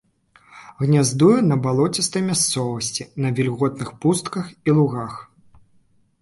Гняздуе на балоцістай мясцовасці, на вільготных пустках і лугах.